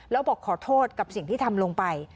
แล้วบอกขอโทษกับสิ่งที่ทำลงไป